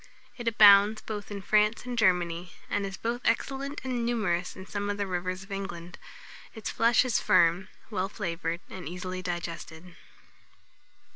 It abounds both in France and Germany; and is both excellent and numerous in some of the rivers of England. Its flesh is firm, well flavoured, and easily digested.